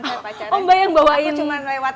sama pacarnya aku cuma lewat